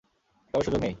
তবে সুযোগ নেই।